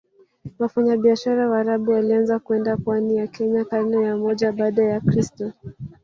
Wafanyabiashara Waarabu walianza kwenda pwani ya Kenya karne ya moja baada ya kristo